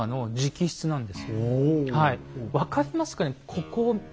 ここ。